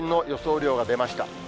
雨量が出ました。